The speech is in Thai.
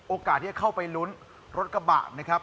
โอกาสที่จะเข้าไปลุ้นรถกระบะนะครับ